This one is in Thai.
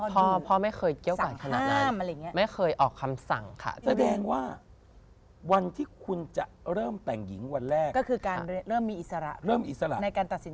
แต่ถ้าสมมุติของผอมดี